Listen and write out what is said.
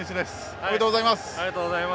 ありがとうございます。